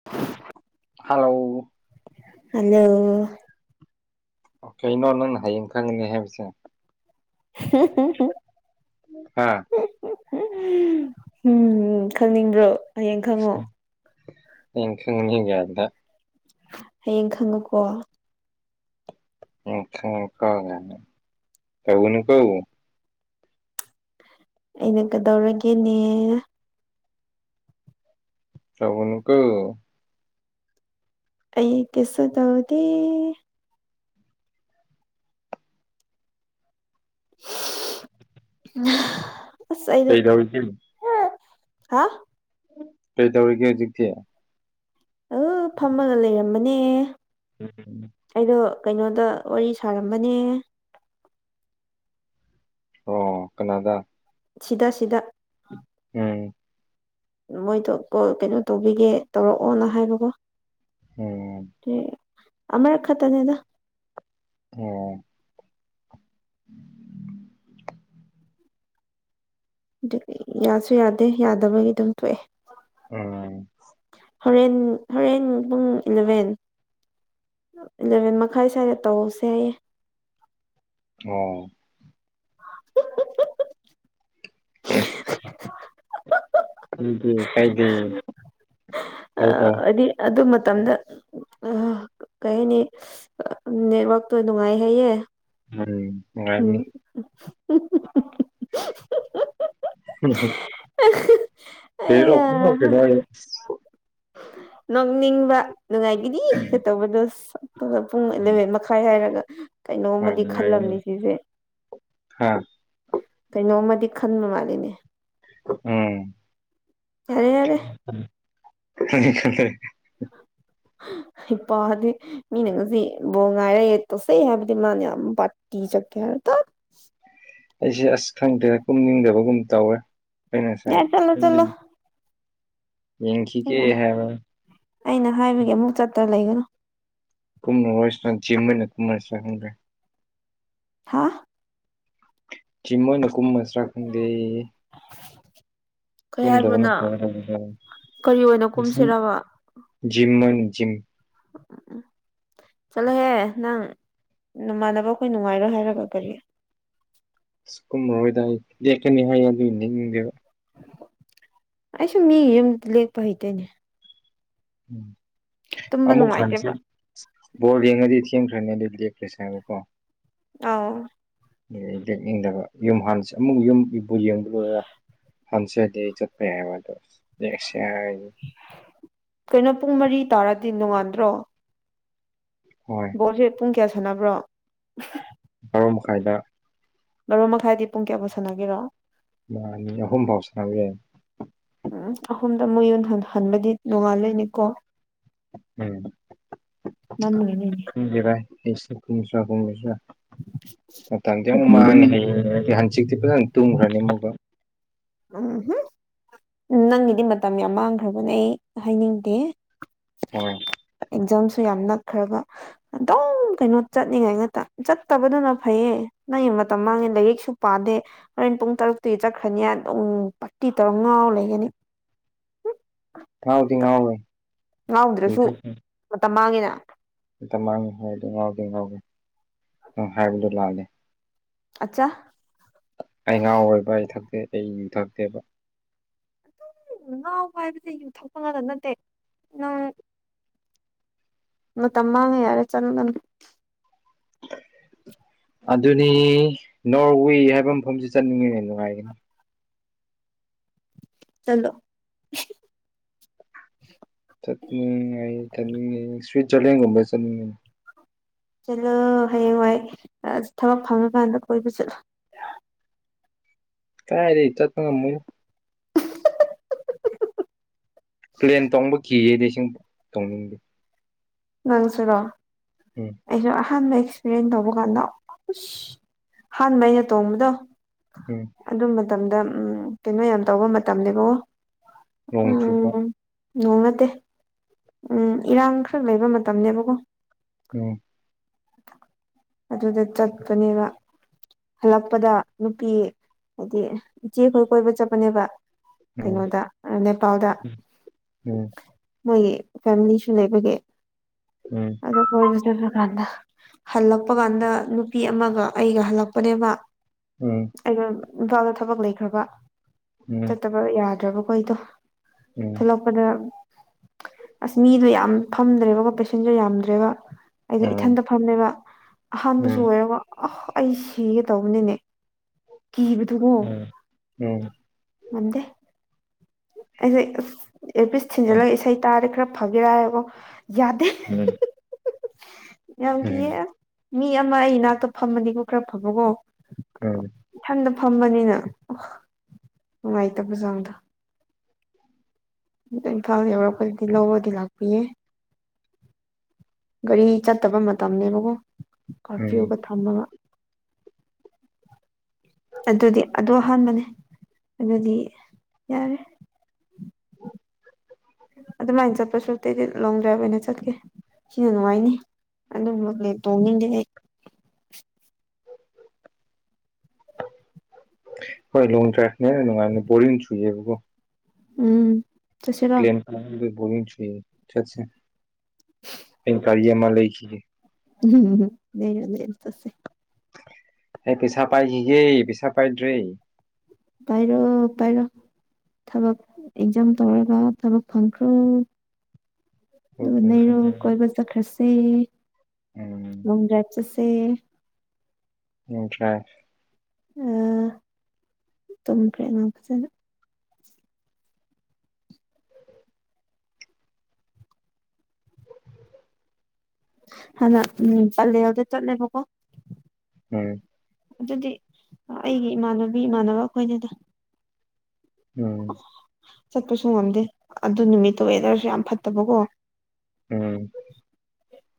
ꯑ hello hello ꯑꯣ ꯀꯩꯅꯣ ꯅꯪꯅ ꯍꯌꯦꯡ ꯈꯪꯒꯅꯤ ꯍꯥꯏꯕꯁꯦ ꯍꯥ ꯑꯥ ꯎꯝ ꯈꯪꯅꯤꯡꯕ꯭ꯔꯣ ꯍꯌꯦꯡ ꯈꯪꯉꯣ ꯌꯦ ꯈꯪꯅꯤꯒꯦꯗ ꯍꯌꯦꯡ ꯈꯪꯉꯨꯀꯣ ꯑ ꯀ ꯀꯧꯅ ꯀꯧ ꯑꯩꯅ ꯀꯗꯧꯔꯒꯦꯅꯦ ꯁꯕꯨꯟ ꯀ ꯑꯩ ꯀꯁꯨ ꯇ ꯍꯧꯗꯤ ꯎ ꯑꯁ ꯑꯩꯩꯗꯣ ꯀꯩꯗꯧꯔꯤꯒꯦ ꯍꯥ ꯀꯩ ꯇꯧꯔꯤꯒꯦ ꯍꯧꯖꯤꯛꯇꯤ ꯑ ꯐꯝꯃꯒ ꯂꯩꯔꯝꯕꯅꯦ ꯎꯝ ꯑꯩꯗꯣ ꯀꯩꯅꯣꯗ ꯋꯥꯔꯤ ꯁꯥꯔꯝꯕꯅꯦ ꯑꯣ ꯀꯅꯥꯗ ꯁꯤꯗ ꯁꯤꯗ ꯎꯝ ꯃꯣꯏꯗꯣ ꯀꯣ ꯀꯩꯅꯣ ꯇꯧꯕꯤꯒꯦ ꯇꯧꯔꯛꯑꯣꯅ ꯍꯥꯏꯕꯀꯣ ꯎꯝ ꯑꯃꯔꯛ ꯈꯛꯇꯅꯦꯗ ꯑꯣ [unintelligible] ꯑꯗꯨꯒꯤ ꯌꯥꯁꯨ ꯌꯥꯗꯦ ꯌꯥꯗꯕꯒꯤ ꯑꯗꯨꯝ ꯇꫭꯛꯑꯦ ꯎꯝ ꯍꯣꯔꯦꯟ ꯍꯣꯔꯦꯟ ꯄꯨꯡ ꯏꯂꯚꯦꯟ ꯏꯂꯚꯦꯟ ꯃꯈꯥꯏ ꯁ꯭ꯋꯥꯏꯗ ꯇꯧꯁꯦ ꯍꯥꯏꯌꯦ ꯑꯣ [unintelligible] ꯎ ꯎ ꯀꯥꯏꯗꯦ ꯑ ꯍꯣꯏ ꯎꯝ ꯍꯥꯏꯗꯤ ꯑꯗꯨ ꯃꯇꯝꯗ ꯑ ꯀꯩ ꯍꯥꯏꯅꯤ ꯅꯦꯠꯋꯥꯛꯇꯣ ꯅꯨꯡꯉꯥꯏꯍꯩꯌꯦ ꯎꯝ ꯎꯝ UNINTELLIGIBLE ꯀꯔꯤꯔꫭ ꯑꯩꯌꯥ ꯄꯨꯅꫭꯛ ꯅꫭꯛꯏ ꯅꯣꯛꯅꯤꯡꯕ ꯅꯨꯡꯉꯥꯏꯈꯤꯅꯤ ꯀꯩꯇꯧꯕꯗꯣ ꯁꯥꯛꯇꯨꯒ ꯄꯨꯡ ꯑꯦꯂꯚꯦꯟ ꯃꯈꯥꯏ ꯍꯥꯏ ꯍꯥꯏꯔꯒ ꯍꯣꯏ ꯀꯩꯅꯣꯝꯃꯗꯤ ꯅꯨꯡꯉꯥꯏꯅꯤ ꯈꯜꯂꯝꯅꯤ ꯁꯤꯁꯦ ꯍꯥ ꯀꯩꯅꯣꯝꯃꯗꯤ ꯈꯟꯕ ꯃꯥꯜꯂꯤꯅꯦ ꯎꯝ ꯌꯥꯔꯦ ꯌꯥꯔꯦ UNINTELLIGIBLE ꯍꯤꯄꯥꯗꯤ ꯃꯤꯅ ꯉꯁꯤ ꯕꯣꯜ ꯉꯥꯏꯔ ꯌꯦ ꯇꯣꯁꯦ ꯍꯥꯏꯕꯗꯤ ꯃꯥꯅ ꯌꯥꯝ UNINTELLIGIBLE ꯍꯥꯏꯔ ꯇꯥꯠ ꯑꯩꯁꯦ ꯑꯁ ꯈꯪꯗꯦ ꯀꯨꯝꯅꯤꯡꯗꯕꯒꯨꯝ ꯇꯧꯋꯦ ꯑꯩꯅ ꯉꯁꯥꯏ ꯌꯥꯔꯦ ꯆꯠꯂꯣ ꯆꯠꯂꯣ ꯌꯦꯡꯈꯤꯒꯦ ꯑꯩꯅ ꯍꯥꯏꯕꯔ ꯑꯩꯅ ꯍꯥꯏꯕꯒꯤ ꯑꯃꯨꯛ ꯆꯠꯇ꯭ꯔ ꯂꯩꯒꯅꯨ UNINTELLIGIBLE ꯍꯥꯥ ꯆꯤ ꯃꯣꯏꯅ ꯀꯨꯝꯃꯔꯁꯤꯔ ꯈꯪꯗꯦ ꯀꯩ ꯍꯥꯏꯕ ꯀꯨꯝꯗꯕꯅ ꯅ ꯐꯔꯗ꯭ꯔꯥ ꯀꯔꯤ ꯑꯣꯏꯅ ꯀꯨꯝꯁꯤꯔꯕ ꯖꯤꯝ ꯃꫭꯏꯅ ꯖꯤꯝ [unintelligible] ꯆꯠꯂꯣꯍꯦ ꯅꯪ ꯅꯃꯥꯟꯅꯕ ꯑꯩꯈꯣꯏ ꯅꯨꯡꯉꯥꯏꯔꯣꯏ ꯍꯥꯏꯔꯒ ꯀꯔꯤ ꯑꯁ ꯀꯨꯝꯃꯣꯏꯗ ꯑꯩ ꯂꯦꯛꯀꯅꯤ ꯍꯥꯏ ꯑꯗꯨ ꯂꯦꯛꯅꯤꯡꯗꯦꯕ ꯑꯩꯁꯨ ꯃꯤꯒꯤ ꯌꯨꯝꯗ ꯂꯦꯛꯄ ꯍꯩꯇꯦꯅꯦ ꯎꯝ ꯇꯨꯝꯕ ꯑꯃꯃꯨꯛ ꯍꯥꯟꯁꯤ ꯅꯨꯡꯉꯥꯏꯇꯦꯕ ꯕꯣꯜ ꯌꯦꯡꯉꯗꯤ ꯊꯦꯡꯈ꯭ꯔꯅꯤ ꯑꯗꯨꯗꯤ ꯂꯦꯛꯈ꯭ꯔꯦꯁꯦ ꯍꯥꯏꯕꯀꯣ ꯑꯥꯎ ꯂꯦꯛꯅꯤꯡꯗꯕ ꯌꯨꯝ ꯍꯥꯟꯅꯁꯦ ꯑꯃꯨꯛ ꯌꯨꯝ ꯏꯕꯨ ꯌꯦꯡꯕ ꯂꯣꯏꯔꯒ ꯐꯟꯁꯔꯗꯤ ꯆꯠꯄ ꯌꯥꯏꯕ ꯑꯗꯣ ꯅꯦꯛꯁ ꯍꯥꯏꯔꯗꯤ ꯀꯩꯅꯣ ꯄꯨꯡ ꯃꯔꯤ ꯇꯥꯔꯗꯤ ꯅꯣꯡꯉꯥꯟꯗ꯭ꯔꯣ ꯍꯣꯏ ꯕꫭꯜꯁꯦ ꯄꯨꯡ ꯀꯌꯥ ꯁꯥꯟꯅꯕ꯭ꯔꯣ ꯕꯔꯣ ꯃꯈꯥꯏꯗ ꯕꯔꯣ ꯃꯈꯥꯏꯗꯤ ꯄꯨꯡ ꯀꯌꯥꯐꯥꯎ ꯁꯥꯟꯅꯒꯦꯔꫭ ꯑꯃꯥ ꯑꯅꯤ ꯑꯍꯨꯝ ꯐꯥꯎ ꯁꯥꯅꯕ ꯌꯥꯏ ꯎꯝ ꯑꯍꯨꯝꯗ ꯑꯃꯨꯛ ꯌꯨꯝ ꯍꯟꯕꯗꯤ ꯅꯣꯡꯉꯥꯜꯂꯣꯏꯅꯤꯀꯣ ꯎꯝ [unintelligible] ꯈꯪꯗꯦ ꯕꯥꯏ ꯑꯩꯁꯨ ꯈꯨꯝꯁꯤꯔ ꯈꯨꯝꯃꯣꯏꯁꯤꯔ ꯃꯇꯝꯗꯤ ꯑꯃꯨꯛ ꯃꯥꯡꯉꯦ ꯎꯝꯍꯨꯝ ꯍꯌꯦ ꯌꯧꯔꯗꯤ ꯍꯪꯆꯤꯛꯇꯤ ꯐꯖꯅ ꯇꯨꯝꯈ꯭ꯔꯅꯤ ꯑꯃꯨꯛꯒ ꯎꯝ ꯍꯨꯝ ꯅꯪꯒꯤꯗꯤ ꯃꯇꯝ ꯌꯥꯝ ꯃꯥꯡꯈ꯭ꯔꯕꯅꯦ ꯍꯥꯏꯅꯤꯡꯗꯦ ꯍꯣꯏ ꯑꯦꯛꯖꯥꯝꯁꯨ ꯌꯥꯝ ꯅꯛꯈ꯭ꯔꯕ ꯑꯗꯨꯝ ꯀꯩꯅꯣ ꯆꯠꯅꯤꯡꯉꯥꯏ ꯉꯥꯛꯇ ꯆꯠꯇꯕꯗꯨꯅ ꯐꯩꯌꯦ ꯅꯪꯒꯤ ꯃꯇꯝ ꯃꯥꯡꯉꯦ ꯂꯥꯏꯔꯤꯛꯁꯨ ꯄꯥꯗꯦ ꯍꯣꯔꯦꯟ ꯄꯨꯡ ꯇꯔꯨꯛꯇꯤ ꯆꯠꯈ꯭ꯔꯅꯤ ꯑꯗꯨꯝ ꯄꯥꯔꯇꯤ ꯇꯧꯔꯒꯥ ꯉꯥꯎꯔꯒ ꯂꯩꯒꯅꯤ ꯉꯥꯎꯗꯤ ꯉꯥꯎꯔꫭꯏ ꯉꯥꯎꯗ꯭ꯔꯁꯨ ꯃꯇꯝ ꯃꯥꯡꯉꯦꯅ ꯃꯇꯝ ꯃꯥꯡꯉ ꯍꯥꯏꯗꯤ ꯉꯥꯎꯗꯦ ꯉꯥꯎꯒꯦ ꯅꯪ ꯍꯥꯏꯕꯗꯣ ꯂꯥꯜꯂꯦ ꯑꯆꯥ ꯑꯩ ꯉꯥꯎ ꯔꫭꯏꯕ ꯑꯩ ꯊꯛꯇꯦ ꯑꯩ ꯌꯨ ꯊꯛꯇꯦꯕ ꯉꯥꯎꯕ ꯍꯥꯏꯕꯗꯤ ꯌꯨꯝ ꯊꯛꯄ ꯉꯛꯇ ꯅꯠꯇꯦ ꯅꯪ ꯃꯇꯝ ꯃꯥꯡꯅ ꯌꯥꯔꯦ ꯆꯪꯠꯂꯣ ꯅꯪ ꯑꯗꯨꯅꯤ ꯅꯣꯔꯋꯦ ꯍꯥꯏꯕ ꯃꯐꯝꯁꯤ ꯆꯠꯅꯤꯡꯉꯤꯅꯦ ꯅꯨꯡꯉꯥꯏꯒꯅꯤ ꯆꯜꯂꯣ ꯆꯠꯅꯤꯡ [unintelligible] ꯁꯨꯏꯖꯔꯂꯦꯟꯒꯨꯝꯕ ꯆꯠꯅꯤꯡꯉꯦ ꯆꯠꯂꯣ ꯍꯌꯦꯡꯋꯥꯏ ꯑꯥ ꯊꯕꯛ ꯐꯪꯉꯀꯥꯟꯗ ꯀꯣꯏꯕ ꯆꯠꯂꯣ ꯀꯥꯏꯗꯩ ꯆꯠꯄ ꯉ, ꯃꯣꯏꯗ ꯄ꯭ꯂꯦꯟ ꯇꯣꯡꯕ ꯀꯤꯌꯦ ꯏꯁꯤꯡ ꯇꯣꯡꯅꯤꯡꯗꯦ ꯅꯪꯁꯨꯔꯣ ꯎꯝ ꯑꯩꯁꯨ ꯑꯍꯥꯟꯕ ꯑꯦꯛꯁꯄꯤꯔꯤꯌꯦꯟ ꯇꯧꯕ ꯀꯥꯟꯗ ꯑꯁ ꯑꯍꯥꯟꯕ ꯑꯩꯅ ꯇꯣꯡꯕꯗꯣ ꯎꯝ ꯑꯗꯨ ꯃꯇꯝꯗ ꯎꯝ ꯀꯩꯅꯣ ꯌꯥꯝ ꯇꯧꯕ ꯃꯇꯝꯅꯦꯕꯀꯣ ꯅꯣꯡ ꯆꯨꯕ ꯎꯝ ꯅꯣꯡ ꯅꯠꯇꯦ ꯎꯝ ꯏꯔꯥꯡ ꯈꯔ ꯂꯩꯕ ꯃꯇꯝꯅꯦꯕꯀꯣ ꯑꯣ ꯑꯗꯨꯗ ꯆꯠꯄꯅꯦꯕ ꯍꯜꯂꯛꯄꯗ ꯅꯨꯄꯤ ꯍꯥꯏꯗꯤ ꯏꯆꯦ ꯈꯣꯏ ꯀꯣꯏꯕ ꯆꯠꯄꯅꯦꯕ ꯎꯝ ꯀꯩꯅꯣꯗ ꯅꯦꯄꯥꯜꯗ ꯍꯣꯏ ꯃꯣꯏꯒꯤ ꯐꯦꯃꯤꯂꯤꯁꯨ ꯂꯩꯕꯒꯤ ꯎꯝ ꯑꯗꯨ ꯀꯣꯏꯕ ꯆꯠꯄ ꯀꯥꯟꯗ ꯍꯜꯂꯛꯄ ꯀꯥꯟꯗ ꯅꯨꯄꯤ ꯑꯃꯒ ꯑꯩꯒ ꯍꯜꯂꯛꯄꯅꯦꯕ ꯎꯝ ꯑꯩꯅ ꯏꯝꯐꯥꯜꯗ ꯊꯕꯛ ꯂꯩꯈ꯭ꯔꯕ ꯆꯠꯇꯕ ꯌꯥꯗ꯭ꯔꯕꯈꯣꯗꯣ ꯊꯂꯛꯄꯗ ꯑꯁ ꯃꯤꯗꯣ ꯌꯥꯝ ꯐꯝꯗ꯭ꯔꯦꯕꯀꯣ ꯄꯦꯁꯦꯟꯖꯔ ꯌꯥꯝꯗ꯭ꯔꯦꯕ ꯑꯩꯗꯤ ꯏꯊꯟꯇ ꯐꯝꯃꯦꯕ ꯑꯍꯥꯟꯕꯁꯨ ꯑꯣꯏꯔꯒ ꯑꯍ ꯑꯩ ꯁꯤꯒꯦ ꯇꯧꯕꯅꯤꯅꯦ ꯀꯤꯕꯗꯨꯒꯣ ꯃꯟꯗꯦ ꯑꯩꯁꯦ ꯑꯁ ꯑꯦꯌꯔꯐꯤꯁ ꯊꯤꯟꯖꯤꯜꯂꯒ ꯏꯁꯩ ꯇꯥꯔꯗ ꯈꯔ ꯐꯒꯦꯔ ꯍꯥꯏꯔꯀꯣ ꯌꯥꯗꯦ ꯌꯥꯝ ꯀꯤꯌꯦ ꯃꯤ ꯑꯃ ꯑꯩ ꯏꯅꯥꯛꯇ ꯐꯝꯃꯗꯤꯀꯣ ꯈꯔ ꯐꯕꯀꯣ ꯎꯝ ꯏꯊꯟꯗ ꯐꯝꯕꯅꯤꯅ ꯅꯨꯡꯉꯥꯏꯇꯕ ꯆꯥꯡꯗꯣ ꯏꯝꯐꯥꯜꯗ ꯌꯧꯔꯛꯄꯗꯗꯤ ꯂꯧꯕꯗꯤ ꯂꯥꯛꯄꯤꯌꯦ ꯒꯥꯔꯤ ꯆꯠꯇꯕ ꯃꯇꯝꯅꯦꯕꯀꯣ ꯀꯥꯔꯐ꯭ꯌꯨꯨꯒ ꯊꯝꯃꯒ [unintelligible] ꯑꯗꯨꯗꯤ ꯑꯗꯨ ꯑꯍꯥꯟꯕꯅꯦ ꯑꯗꯨꯗꯤ ꯌꯥꯔꯦ ꯑꯗ ꯃꯥꯏꯟꯆꯥ ꯄꯁꯔꯦ ꯀ ꯂꯣꯡ ꯗ꯭ꯔꯥꯏ ꯌꯦ ꯍꯥꯏꯅꯦ ꯆ ꯀꯦ ꯁꯤꯅ ꯅꯨꯡꯉꯥꯏꯅꯤ ꯑꯗꯨꯝꯕ ꯂ ꯇꯣꯡꯅꯤꯡꯗꯦ ꯑꯩ ꯍꯣꯏ ꯂꯣꯡ ꯗ꯭ꯔꯥꯏꯚꯅꯦꯅꯨꯡꯉꯥꯏ ꯕꯣꯔꯤꯡꯁꯨꯨꯏ ꯌꯦꯕꯀꯣ ꯎꯝ ꯆꯠꯁꯤꯔꯣ ꯄꯂꯦꯟ ꯇꯣꯡꯕꯖꯦ ꯕꯣꯔꯤꯡ ꯆꯨꯏꯌꯦ ꯑꯩ ꯀꯥꯔꯤ ꯑꯃ ꯂꯩꯈꯤꯒꯦ ꯎꯝ ꯅ ꯅ ꯆꯁꯦ ꯑꯩ ꯄꯩꯁꯥ ꯄꯥꯏꯈꯤꯒꯦ ꯄꯩꯁꯥ ꯄꯥꯏꯗ꯭ꯔꯦ ꯄꯥꯏꯔꯣ ꯄꯥꯏꯔꯣ ꯊꯕꯛ ꯑꯦꯛꯖꯥꯝ ꯇꯧꯔꯒ ꯊꯕꯛ ꯐꯪꯈ꯭ꯔꯣ ꯍꯣꯏ ꯑꯗꯨꯒ ꯐꯪꯈ꯭ꯔꯦ ꯅꯩꯔꯣ ꯀꯣꯏꯕ ꯆꯠꯈ꯭ꯔꯁꯦ ꯎꯝ ꯂꯣꯡ ꯗ꯭ꯔꯥꯏꯕ ꯆꯠꯁꯦ ꯌꯥꯗꯔꯦ ꯑꯥ ꯇꯨꯝꯈ꯭ꯔꯦ ꯑꯉꯥꯡ ꯐꯖꯅ ꯍꯥꯟꯅ ꯎꯝ ꯄꯜꯂꯦꯟꯗ ꯆꯠꯂꯦꯕꯀꯣ ꯎꯝ ꯑꯗꯨꯗꯤ ꯑꯩꯒꯤ ꯏꯃꯥꯟꯅꯕꯤ ꯏꯃꯥꯟꯅꯕ ꯑꯩꯈꯣꯏꯗꯦꯗ ꯎꯝ ꯆꯠꯄꯁꯨ ꯉꯝꯗꯦ ꯑꯗꯨ ꯅꯨꯃꯤꯠꯇꯨ ꯋꯦꯗꯔꯁꯨ ꯌꯥꯝ ꯐꯠꯇꯕꯀꯣ ꯎꯝ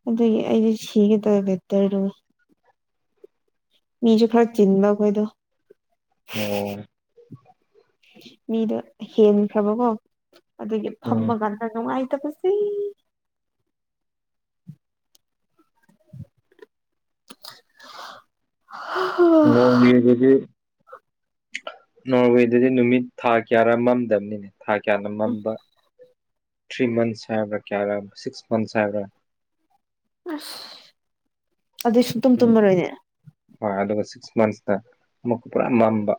ꯑꯗꯨ ꯑꯩꯗꯤ ꯁꯤꯒꯦ ꯇꯧꯋꯦꯕꯦꯠꯇꯔꯣ ꯃꯤꯁꯨ ꯈꯔ ꯆꯤꯟꯕꯈꯣꯏꯗꯣ ꯑꯣ ꯃꯤꯗꯣ ꯍꯦꯟꯈ꯭ꯔꯕꯀꯣ ꯑꯗꯨꯒꯤ ꯎꯝ ꯐꯃ ꯀꯥꯟꯗ ꯅꯨꯡꯉꯥꯏꯇꯕꯁꯤ ꯃꯣꯟ ꯌꯦꯁꯦꯁꯤ ꯅꯣꯔꯋꯦꯗꯗꯤ ꯅꯨꯃꯤꯠ ꯊꯥ ꯀꯌꯥꯔ ꯃꯝꯗꯕꯅꯤꯅꯦ ꯊꯥ ꯀꯌꯥꯅ ꯃꯝꯕ ꯊ꯭ꯔꯤ ꯃꯟ ꯍꯥꯏ ꯀꯌꯥ ꯁꯤꯁ ꯃꯟꯊ ꯑ ꯑꯗꯨꯗ ꯁꯨ ꯇꯨꯝ ꯇꯨꯝꯃꯔꯣꯏꯅꯦ ꯍꯣꯏ ꯑꯗꯨꯒ ꯁꯤꯛꯁ ꯃꯟꯁꯅ ꯑꯃꯨꯛꯀ ꯄꯨꯔꯥ ꯃꯝꯕ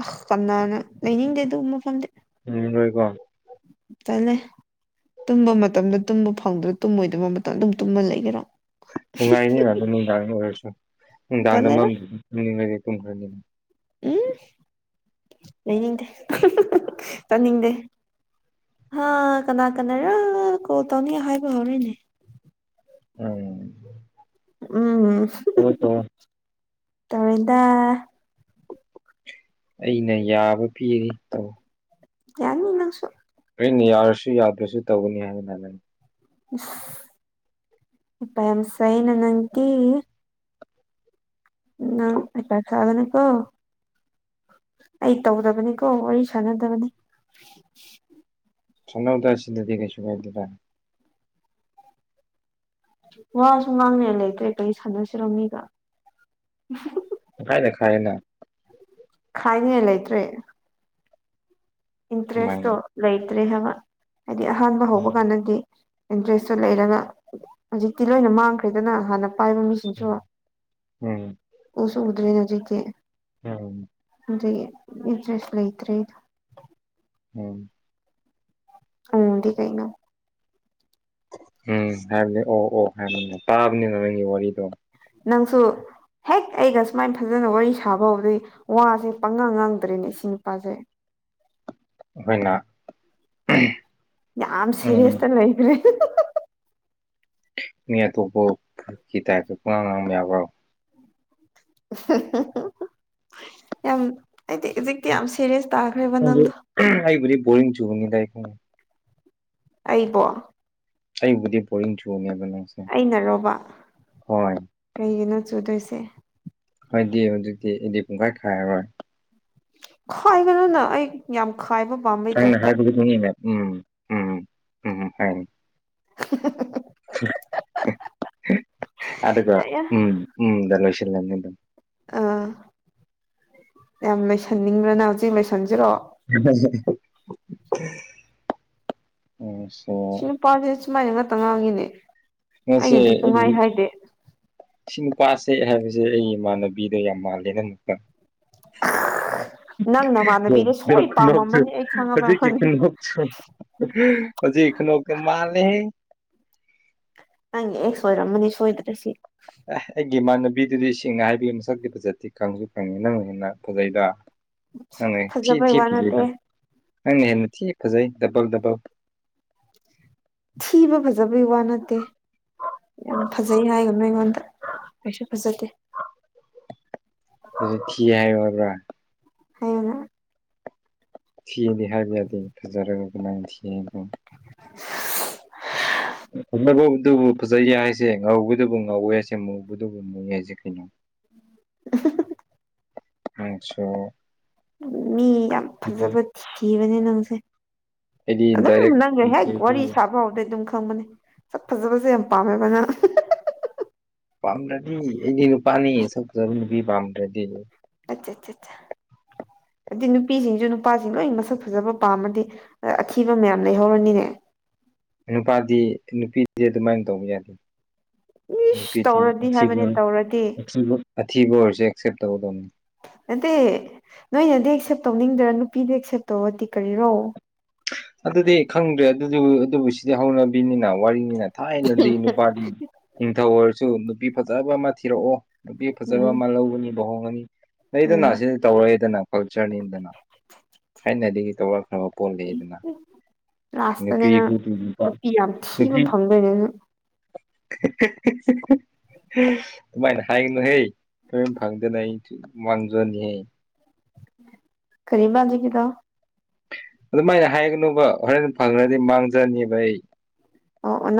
ꯑ ꯀꯅꯥꯅ ꯅꯅꯤ ꯍꯦ ꯑꯗꯨ ꯃꯐꯝꯗꯤ ꯎꯝꯣꯏꯀꯣ ꯇꯂꯦ ꯇꯨꯝꯕ ꯃꯇꯝꯗ ꯇꯨꯝꯕ ꯐꯪꯗ꯭ꯔ ꯇꯨꯝꯃꯣꯏꯗꯕ ꯃꯇꯝꯗ ꯑꯗꯨꯝ ꯇꯨꯝꯃ ꯂꯩꯒꯔꯣ ꯅꯨꯡꯉꯥꯏꯅꯤꯅꯗꯝ ꯅꯨꯡꯗꯥꯡꯒꯤ ꯑꯣꯏꯔꯁꯨ ꯅꯨꯡꯗꯥꯡꯗ ꯇꯜꯂꯦꯗ ꯃꯔꯝꯗꯨꯅꯤꯡꯉꯩꯗꯤ ꯇꯨꯝꯈ꯭ꯔꯅꯤꯅ ꯎꯝ ꯂꯩꯅꯤꯡꯗꯦ ꯆꯅꯤꯡꯗꯦ ꯍꯥ ꯀꯅꯥ ꯀꯅꯥꯔꯣ ꯀꯣꯜ ꯇꯧꯅꯤ ꯍꯥꯏꯕ ꯍꯧꯔꯤꯅꯦ ꯎꯝ ꯎꯝ ꯇꯧꯋꯣ ꯇꯧꯋꯣ ꯇꯧꯔꯤꯗ ꯑꯩꯅ ꯌꯥꯕ ꯄꯤꯔꯤ ꯇꯧ ꯌꯥꯅꯤ ꯅꯪꯁꯨ ꯑꯩꯅ ꯌꯥꯔꯁꯨ ꯌꯥꯗ꯭ꯔꯁꯨ ꯇꯧꯒꯅꯤ ꯍꯥꯏꯗꯅꯅꯤ ꯏꯁ ꯍꯩꯄ ꯌꯥꯝ ꯁꯥꯏꯅ ꯅꯪꯗꯤ ꯅꯪ ꯍꯩꯄꯥ ꯁꯥꯒꯅꯨꯀꯣ ꯑꯩ ꯇꯧꯗꯕꯅꯤꯀꯣ ꯋꯥꯔꯤ ꯁꯥꯟꯅꯗꯕꯅꯤ ꯁꯥꯟꯅꯧꯗ ꯁꯤꯗꯗꯤ ꯀꯩꯁꯨ ꯀꯥꯏꯗꯦꯗ ꯋꯥꯁꯨ ꯃꯥꯡꯅ ꯂꯩꯇ꯭ꯔꯦ ꯀꯔꯤ ꯁꯥꯟꯅꯁꯤꯔ ꯃꯤꯒ ꯍꯥꯏꯅ ꯈꯥꯏꯅ ꯈꯥꯏꯅꯤꯡꯉꯥꯏ ꯂꯩꯇ꯭ꯔꯦ ꯏꯟꯇꯔꯦꯁꯇꯣ ꯀꯃꯥꯏꯅ ꯂꯩꯇ꯭ꯔꯦ ꯍꯥꯏꯕ ꯍꯥꯏꯗꯤ ꯑꯍꯥꯟꯕ ꯍꯧꯕ ꯀꯥꯟꯗꯗꯤ ꯏꯟꯇꯔꯦꯁꯇꯨ ꯂꯩꯔꯒ ꯍꯧꯖꯤꯛꯇꯤ ꯂꯣꯏꯅ ꯃꯥꯡꯈ꯭ꯔꯦꯗꯅ ꯍꯥꯟꯅ ꯄꯥꯏꯕ ꯃꯤꯁꯤꯡꯁꯨ ꯎꯝ ꯎꯁꯨ ꯎꯗ꯭ꯔꯦꯅꯦ ꯍꯧꯖꯤꯛꯇꯤ ꯎꯝ ꯏꯇꯔꯦꯁ ꯂꯩ ꯏ ꯇꯔꯦꯗ ꯎꯝ ꯎꯗꯤ ꯀꯩꯅ ꯎꯝ ꯍꯥꯏꯕꯅꯦ ꯑꯣ ꯑꯣ ꯍꯥꯏꯕꯅꯤ ꯇꯥꯕꯅꯤꯅ ꯅꯪꯒꯤ ꯋꯥꯔꯤꯗꯣ ꯅꯪꯁꯨ ꯍꯦꯛ ꯑꯩꯒ ꯁꯨꯃꯥꯏꯅ ꯐꯖꯅ ꯋꯥꯔꯤ ꯁꯥꯕ ꯍꯕꯗꯩ ꯋꯥꯁꯦ ꯄꯪꯉꯥꯡ ꯉꯥꯡꯗ꯭ꯔꯦꯅꯦ ꯏꯆ ꯅꯨꯄꯥꯁꯦ ꯑꯩꯈꯣꯏꯅ ꯌꯥꯝ ꯎꯝ ꯁꯦꯔꯤꯁꯇ ꯂꯩꯈ꯭ꯔꯦ ꯃꯤ ꯑꯇꯣꯞꯄ ꯀꯤ ꯇꯥꯏꯞꯇ ꯄꯉꯥꯡ ꯉꯥꯡꯕ ꯌꯥꯕ꯭ꯔꯣ ꯌꯥꯝ ꯑꯩꯗꯤ ꯍꯧꯖꯤꯛꯇꯤ ꯌꯥꯝ ꯁꯦꯔꯤꯌꯁ ꯇꯥꯈ꯭ꯔꯦꯕ ꯅꯪꯗꯣ ꯑꯩꯕꯨ ꯣꯔꯤꯡ ꯆꯨꯒꯅꯤꯗ ꯑꯩ ꯑꯩꯕꯣ ꯑꯩꯕꯨꯗꯤ ꯄꯅꯤ ꯆꯨ ꯃꯕ ꯑꯩꯅꯔꯣꯕ ꯀꯩꯒꯤꯅꯣ ꯆꯨꯗꯣꯏꯁꯦ ꯑꯗꯨꯗꯤ ꯍꯧꯖꯤꯛꯇꯤ ꯑꯩꯗꯤ ꯄꯨꯡꯈꯥꯏ ꯈꯥꯏꯔꯔꯣꯏ ꯈꯥꯏꯒꯅꯨꯅ ꯑꯩ ꯌꯥꯝ ꯈꯥꯏꯕ ꯄꯥꯝꯕꯩ ꯊꯪꯅ ꯇꯥꯏꯞꯇ ꯍꯥꯏꯔ ꯠ ꯃꯅꯤꯅꯦ ꯎꯝ ꯎꯝꯝ ꯎꯝ ꯎꯝ [inaudible] ꯑꯗꯨꯒ ꯎꯝ ꯎꯗ ꯂꯣꯏꯁꯤꯜꯂꯅꯤ ꯑꯗꯨꯝ ꯑꯥ ꯌꯥꯝ ꯂꯩꯏꯁꯟꯅꯤꯡꯕ꯭ꯔꯅ ꯍꯧꯖꯤꯛ ꯂꯣꯏꯁꯟꯁꯤꯔꯣꯑꯣ ꯑꯣ ꯁꯤ ꯅꯨꯄꯥꯁꯦ ꯁꯨꯃꯥꯏꯅ ꯉꯥꯛꯇ ꯉꯥꯡꯉꯤꯅꯦ ꯉꯁꯤ ꯑꯩꯅꯗꯤꯁꯨ ꯉꯥꯏ ꯑꯩ ꯍꯥꯏꯗꯤꯦ ꯁꯤ ꯅꯨꯄꯥꯁꯦ ꯍꯥꯏꯕꯁꯦ ꯑꯩꯒꯤ ꯏꯃꯥꯟꯅꯕꯤꯗꯣ ꯌꯥꯝ ꯃꯥꯜꯂꯦ ꯅ ꯑꯃꯨꯛꯇ ꯅꯪ ꯅꯃꯥꯟꯅꯕꯤꯗ ꯁꯣꯏ ꯄꯥꯝꯃꯝꯃꯅꯤ ꯑꯩ ꯍꯧꯖꯤ ꯈꯪꯉꯕꯅꯤ ꯀ ꯄ ꯏꯈ ꯅꯣ ꯀ ꯃꯥꯜ ꯅ ꯅꯪꯒꯤ ꯑꯦ ꯁꯣꯏꯔꯝꯝꯕꯅꯤ ꯁꯣꯏꯗ꯭ꯔꯁꯤ ꯑꯦ ꯑꯩꯒꯤ ꯏꯃꯥꯟꯅꯕꯤꯗꯨꯗꯤ ꯏꯁꯦꯡꯅ ꯍꯥꯏꯕꯤꯒꯤ ꯃꯁꯛꯤ ꯐꯖꯠꯇꯤ ꯈꯪꯁꯨ ꯈꯪꯉꯤ ꯅꯪꯅꯤꯅ ꯐꯖꯩꯗ ꯑꯅ ꯊꯤ ꯐꯖꯕꯩ ꯊꯤ ꯋꯥ ꯐꯖꯩ ꯅꯠꯇꯦ ꯅꯪꯅ ꯍꯦꯜꯅ ꯊꯤ ꯐꯖꯩ ꯗꯕꯜ ꯗꯕꯜ ꯊꯤꯕ ꯐꯖꯕꯩ ꯋꯥ ꯅꯠꯇꯦ ꯌꯥꯝ ꯐꯖꯩ ꯍꯥꯏꯒꯅꯨ ꯑꯩꯉꯣꯟꯗ ꯀꯩꯁꯨ ꯐꯖꯗꯦ ꯍꯧꯛ ꯀꯤ ꯍꯥꯏꯌꯨ ꯍꯥꯏꯕ꯭ꯔꯥ ꯍꯅ ꯊꯤꯗꯤ ꯍꯥꯏꯕ ꯌꯥꯗꯦ ꯐꯖꯔꯒ ꯑꯗꯨꯃꯥꯏ ꯊꯤꯗꯣ [inaudible] ꯐꯅꯕꯧꯗꯨꯕꯨ ꯐꯖꯩ ꯌꯥꯏ ꯍꯥꯏꯁꯦ ꯉꯧꯕꯗꯨꯕꯨ ꯉꯧꯋꯦ ꯍꯥꯏꯁꯦ ꯉꯧꯕꯗꯨꯕꯨ ꯖ ꯀꯅꯨ [inaudible] ꯑꯆꯥꯣ ꯃꯤ ꯌꯥꯝ ꯐꯖꯕ ꯊꯤꯕꯅꯦ ꯅꯪꯁꯦ ꯑꯩꯗꯤ ꯑꯗꯨꯝ ꯗꯥꯏꯔꯦꯛ ꯅꯪꯅ ꯍꯦꯛ ꯋꯥꯔꯤ ꯁꯥꯕ ꯍꯥꯎꯗꯩ ꯑꯗꯨꯝ ꯈꯪꯕꯅꯦ ꯁꯠ ꯐꯖꯕꯁꯦ ꯌꯥꯝ ꯄꯥꯝꯃꯦꯕꯅ ꯄꯝ ꯔꯗꯤꯅ ꯄꯅꯤ ꯁ ꯆ ꯄ ꯄꯝ ꯔꯗꯤ ꯑꯠꯆꯥ ꯑꯠꯆꯥ ꯑꯠꯆꯥ ꯍꯥꯏꯗꯤ ꯅꯨꯄꯤꯁꯤꯡꯁꯨ ꯅꯨꯄꯥꯁꯤꯡ ꯂꯣꯏ ꯃꯁꯛ ꯐꯖꯕ ꯄꯥꯝꯃꯗꯤ ꯑꯊꯤꯕ ꯃꯌꯥꯝ ꯂꯩꯍꯧꯔꯅꯤꯅꯦ ꯅꯨꯄꯥꯗꯤ ꯅꯨꯄꯤꯗꯤ ꯑꯗꯨꯃꯥꯏꯅ ꯇꯧꯕ ꯌꯥꯗꯦ ꯅꯨ ꯏꯁ ꯇꯧꯔꯗꯤ ꯍꯥꯏꯕꯅꯦ ꯇꯧꯔꯗꯤ ꯑꯊꯤꯕ ꯑꯣꯏꯔꯁꯨꯦ ꯑꯦꯛꯁꯦꯞ ꯇꯧꯒꯗꯕꯅꯤ ꯅꯠꯇꯦ ꯅꯣꯏꯅꯗꯤ ꯑꯦꯛꯁꯦꯞ ꯇꯧꯅꯤꯡꯗꯔ ꯅꯨꯄꯤꯗ ꯑꯦꯛꯁꯦꯞ ꯇꯧꯔꯗꯤ ꯀꯔꯤꯔꯣ ꯑꯗꯨꯗꯤ ꯈꯪꯗ꯭ꯔꯦ ꯑꯗꯨ ꯑꯗꯨꯕꯨ ꯁꯤꯗꯤ ꯍꯧꯅꯕꯤꯅꯤꯅ ꯋꯥꯔꯤꯅꯤꯅ ꯊꯥꯏꯅꯗꯤ ꯅꯨꯄꯥꯗꯤ ꯅꯤꯡꯊꯧ ꯑꯣꯏꯔꯁꯨ ꯅꯨꯄꯤ ꯐꯖꯕ ꯑꯃ ꯊꯤꯔꯛꯑꯣ ꯅꯨꯄꯤ ꯐꯖꯕ ꯎꯝ ꯑꯃ ꯂꯧꯒꯅꯤꯕꯍꯣꯡꯉꯅꯤ ꯎꯝ ꯂꯩꯗꯅ ꯁꯤꯗꯤ ꯇꯧꯔꯏꯗꯅ ꯀꯜꯆꯔꯅꯤꯗꯅ ꯊꯥꯏꯅꯗꯒꯤ ꯇꯧꯔꯛꯈ꯭ꯔꯕ ꯄꯣꯠ ꯂꯩꯗꯅ ꯂꯥꯁꯇꯅꯦ ꯅꯨꯄꯤ ꯅꯪ ꯅꯨꯄꯥ ꯅꯨꯄꯤ ꯌꯥꯝ ꯊꯤꯕ ꯅꯨꯄꯤ ꯐꯪꯗꯣꯏꯅꯦ ꯅꯪ [inaudible] ꯑꯗꯨꯃꯥꯏꯅ ꯍꯥꯏꯒꯅꯨ ꯍꯦ ꯀꯝ ꯐꯪꯗꯅ ꯑꯩ ꯃꯥꯡꯖꯅꯤꯍꯦ ꯀꯔꯤꯕꯥ ꯍꯧꯖꯤꯀꯤꯗꯣ ꯑꯗꯨꯃꯥꯏꯅ ꯍꯥꯏꯒꯅꯨꯕ ꯍꯣꯔꯦꯟ ꯐꯪꯈ꯭ꯔꯗꯤ ꯃꯥꯡꯖꯅꯤꯕ ꯑꯩ ꯑꯣ ꯑ